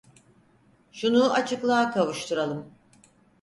Şunu açıklığa kavuşturalım.